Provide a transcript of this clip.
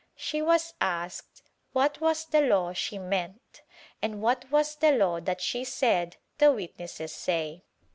She was asked what was the Law she meant and what was the Law that she said the witnesses say.